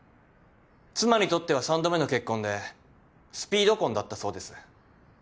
妻にとっては３度目の結婚でスピード婚だったそうです。